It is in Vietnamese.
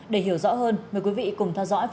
để hiểu rõ hơn mời quý vị cùng theo dõi